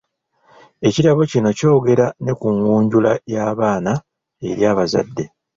Ekitabo kino kyogera ne kungunjula y'abaana eri abazadde.